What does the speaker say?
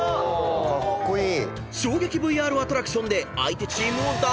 ［衝撃ＶＲアトラクションで相手チームをダマせ］